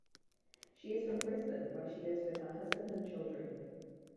She is from Brisbane where she lives with her husband and children.